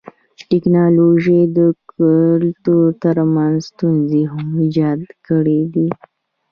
ټکنالوژي د ګټو تر څنګ ستونزي هم ایجاد کړيدي.